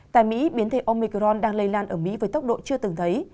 tại mỹ biến thể omicron đang lây lan ở mỹ với tốc độ chưa từng thấy